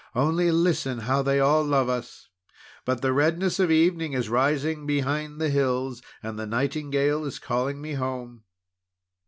"Only listen how they all love us! But the redness of evening is rising behind the hills, and the nightingale is calling me home!"